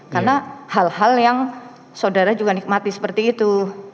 karena hal hal yang saudara juga nikmati seperti itu